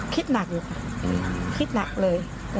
คิดหนักอยู่ค่ะคิดหนักเลย